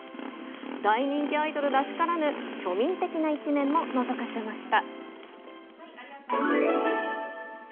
大人気アイドルらしからぬ庶民的な一面ものぞかせました。